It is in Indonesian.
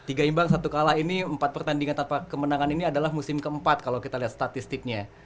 tiga imbang satu kalah ini empat pertandingan tanpa kemenangan ini adalah musim keempat kalau kita lihat statistiknya